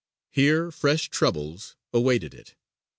Here fresh troubles awaited it.